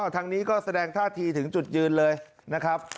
ทางนี้ก็แสดงท่าทีถึงจุดยืนเลยนะครับ